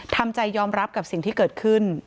ทำใจยอมรับกับสิ่งที่เกิดขึ้น